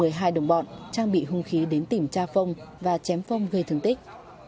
vũ kẹo theo một mươi hai đồng bọn trang bị hung khí đến tìm cha phong và chém phong gây thương tích